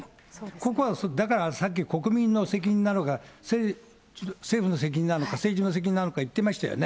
ここはだから、さっき国民の責任なのか、政府の責任なのか、政治の責任なのか、言ってましたよね。